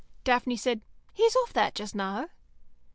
Daphne said, "He's off that just now."